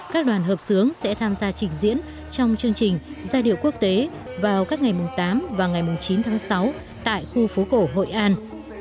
các đoàn hợp sướng sẽ tham gia trình diễn trong chương trình giai điệu quốc tế vào các ngày tám và ngày chín tháng sáu tại khu phố cổ hội an